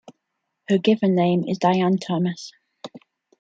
Her given name is Diane Thomas.